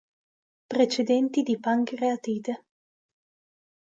Precedenti di pancreatite.